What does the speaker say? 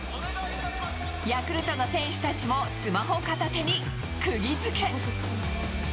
ヤクルトの選手たちもスマホ片手にくぎづけ。